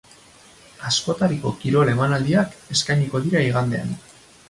Askotariko kirol emanaldiak eskainiko dira igandean.